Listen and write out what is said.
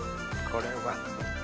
これは。